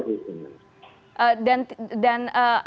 dan anda sebagai kuasa obat